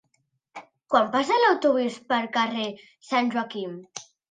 Quan passa l'autobús pel carrer Sant Joaquim?